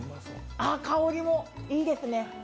香りもいいですね。